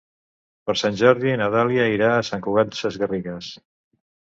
Per Sant Jordi na Dàlia irà a Sant Cugat Sesgarrigues.